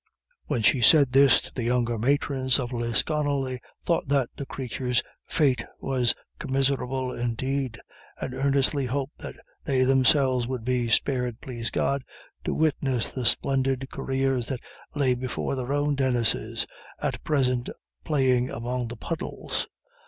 When she said this to the younger matrons of Lisconnel, they thought that the crathurs' fate was commiserable indeed, and earnestly hoped that they themselves would be spared, plase God, to witness the splendid careers that lay before their own Denises at present playing among the puddles.